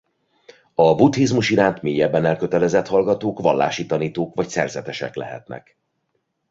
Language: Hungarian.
A buddhizmus iránt mélyebben elkötelezett hallgatók vallási tanítók vagy szerzetesek lehetnek.